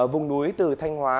vùng núi từ thanh hóa